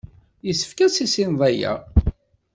Yessefk ad tissineḍ aya.